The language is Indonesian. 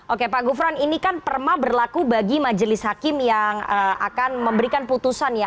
oke pak gufron ini kan perma berlaku bagi majelis hakim yang akan memberikan putusan ya